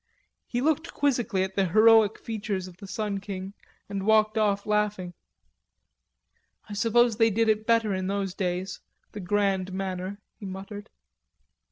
He looked quizzically at the heroic features of the sun king and walked off laughing. "I suppose they did it better in those days, the grand manner," he muttered.